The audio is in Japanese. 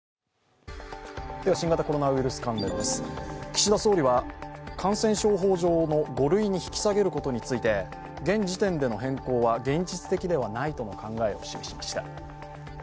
岸田総理は感染症法上の５類に引き下げることについて現時点での変更は現実的ではないとの考えを示しました。